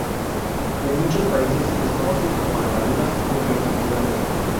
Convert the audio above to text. En muchos países se les conoce como armaduras o reticulados.